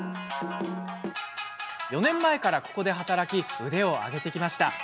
４年前からここで働き腕を上げてきました。